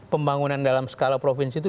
pembangunan dalam skala provinsi itu